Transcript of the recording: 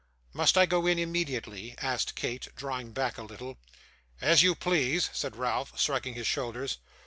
'Must I go in immediately?' asked Kate, drawing back a little. 'As you please,' said Ralph, shrugging his shoulders.